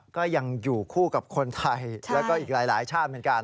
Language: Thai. ก็ยังอยู่คู่กับคนไทยแล้วก็อีกหลายชาติเหมือนกัน